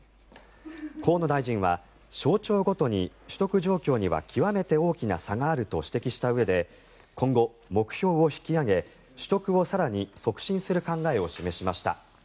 河野大臣は、省庁ごとに取得状況には極めて大きな差があると指摘したうえで今後、目標を引き上げ取得を更に促進する考えを示しました。